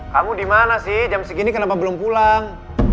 kamu dimana sih jam segini kenapa belum pulang